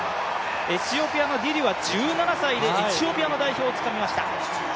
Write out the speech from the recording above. エチオピアのディリュは１７歳でエチオピアの代表をつかみました。